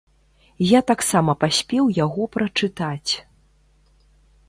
Я таксама паспеў яго прачытаць.